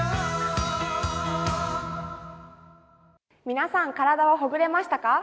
皆さん、体はほぐれましたか？